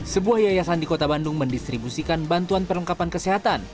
sebuah yayasan di kota bandung mendistribusikan bantuan perlengkapan kesehatan